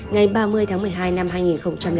ngày ba mươi tháng một mươi hai năm hai nghìn tám